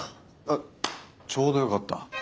あっちょうどよかった。